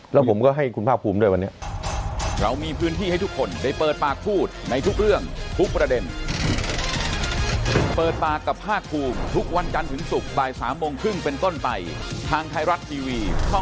แล้วผมก็ให้คุณภาคภูมิด้วยวันนี้